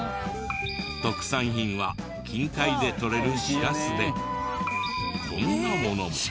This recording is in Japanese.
特産品は近海でとれるしらすでこんなものも。